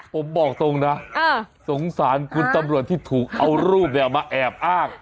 ผมบอกตรงนะสงสารคุณตำรวจที่ถูกเอารูปเนี่ยมาแอบอ้าง